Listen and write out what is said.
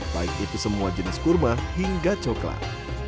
baik itu semua jenis kurma hingga coklat